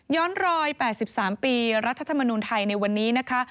รอย๘๓ปีรัฐธรรมนุนไทยในวันนี้นะคะ